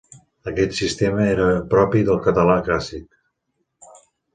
Aquest sistema era propi del català clàssic.